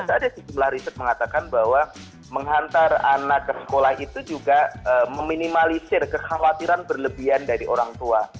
ada sejumlah riset mengatakan bahwa menghantar anak ke sekolah itu juga meminimalisir kekhawatiran berlebihan dari orang tua